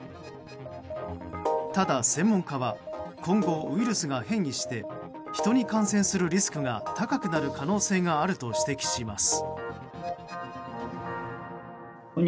ただ、専門家は今後ウイルスが変異して人に感染するリスクが高くなる可能性があると指摘します。